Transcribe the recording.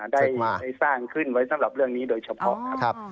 ได้สร้างขึ้นไว้สำหรับเรื่องนี้โดยเฉพาะครับ